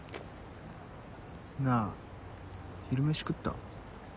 なあ昼飯食った？